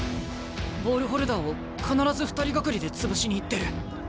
ボールホルダーを必ず２人がかりで潰しに行ってる。